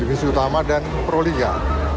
divisi utama dan proliga